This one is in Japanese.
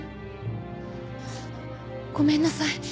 ごめんなさい。